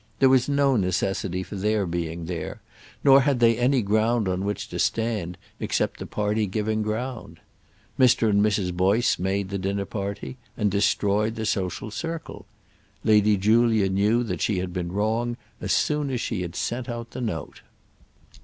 There was no necessity for their being there, nor had they any ground on which to stand, except the party giving ground. Mr. and Mrs. Boyce made the dinner party, and destroyed the social circle. Lady Julia knew that she had been wrong as soon as she had sent out the note.